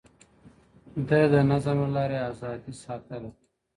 ده د نظم له لارې ازادي ساتله.